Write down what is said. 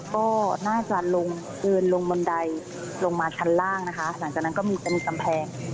ก็น่าจะลงเอิญลงบันไดลงมาชั้นล่างนะคะหลังจากนั้นก็มีเป็นกำแพง